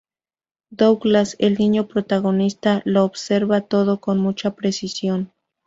Douglas, el niño protagonista, lo observa todo con mucha precisión.